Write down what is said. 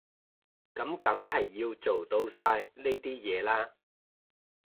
噉梗係要做到晒呢啲嘢啦